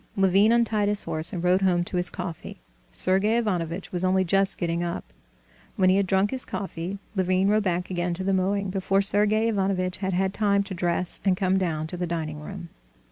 Levin untied his horse and rode home to his coffee. Sergey Ivanovitch was only just getting up. When he had drunk his coffee, Levin rode back again to the mowing before Sergey Ivanovitch had had time to dress and come down to the dining room.